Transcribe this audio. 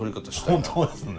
本当ですね。